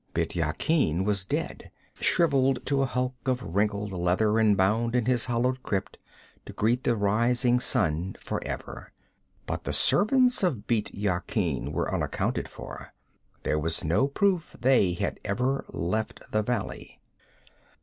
Bît Yakin was dead, shriveled to a hulk of wrinkled leather and bound in his hollowed crypt to greet the rising sun for ever. But the servants of Bît Yakin were unaccounted for. There was no proof they had ever left the valley.